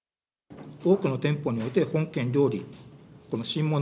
多くの店舗において、本件料理、新物！